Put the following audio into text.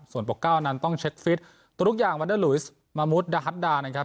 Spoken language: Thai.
ส่วนปกเก้านั้นต้องเช็คฟิตตัวทุกอย่างวันเดอร์ลุยสมามุดดาฮัตดานะครับ